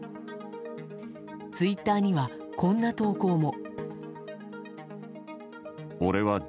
ツイッターにはこんな投稿も。